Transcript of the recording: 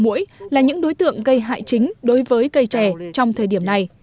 mũi là những đối tượng gây hại chính đối với cây trẻ trong thời điểm này